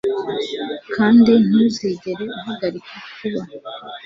kandi ntuzigere uhagarika kuba